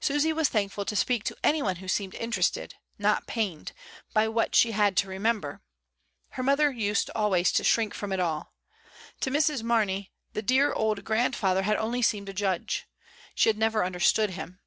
Susy was thankful to speak to any one who seemed interested, not pained, by what she had to remem ber. Her mother used always to shrink from it all. To Mrs. Mamey the dear old grandfather had only seemed a judge. She had never understood him.